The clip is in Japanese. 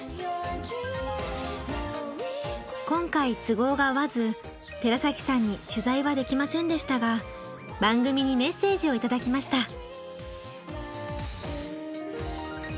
今回都合が合わず寺崎さんに取材はできませんでしたが番組にメッセージを頂きました。